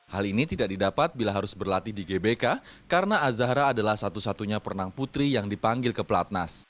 hal ini tidak didapat bila harus berlatih di gbk karena azahra adalah satu satunya perenang putri yang dipanggil ke pelatnas